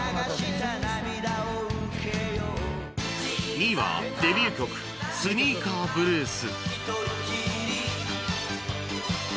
２位はデビュー曲『スニーカーぶるす』